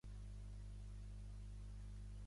El seu germà Antonio també fou alcalde de Xàbia.